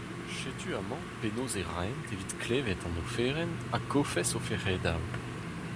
Setu amañ penaos e raent evit klevet an oferenn ha kofes o fec'hedoù.